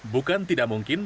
bukan tidak mungkin